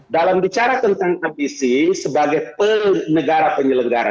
dalam bicara tentang ambisi sebagai penegara penyelenggara